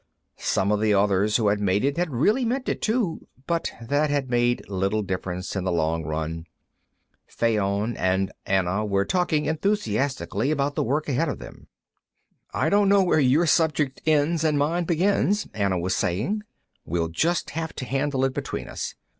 Some of the others who had made it had really meant it, too, but that had made little difference in the long run. Fayon and Anna were talking enthusiastically about the work ahead of them. "I don't know where your subject ends and mine begins," Anna was saying. "We'll just have to handle it between us.